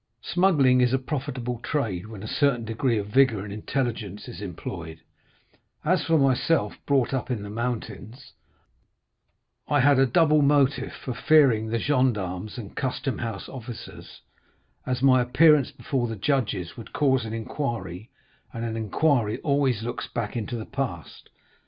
Smuggling is a profitable trade, when a certain degree of vigor and intelligence is employed; as for myself, brought up in the mountains, I had a double motive for fearing the gendarmes and custom house officers, as my appearance before the judges would cause an inquiry, and an inquiry always looks back into the past.